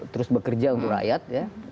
terus bekerja untuk rakyat